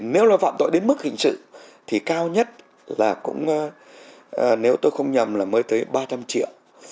nếu là phạm tội đến mức hình sự thì cao nhất là cũng nếu tôi không nhầm là mới tới ba trăm linh triệu